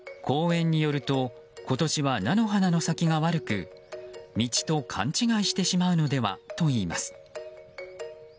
公園によると今年は菜の花の咲きが悪く道と勘違いしてしまうのではといいます。